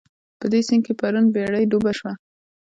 په دې سيند کې پرون بېړۍ ډوبه شوه